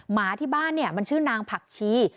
หมาที่บ้านเนี่ยมันชื่อนางผักชี